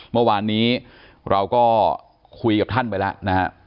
เมื่อวานนี้เราก็คุยกับท่านไปแล้วนะฮะ